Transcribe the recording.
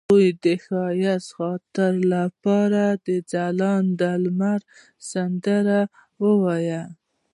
هغې د ښایسته خاطرو لپاره د ځلانده لمر سندره ویله.